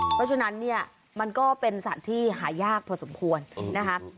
เพราะฉะนั้นเนี่ยมันก็เป็นสัตว์ที่หายากพอสมควรนะคะ